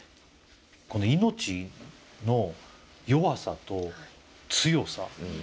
この命の弱さと強さ。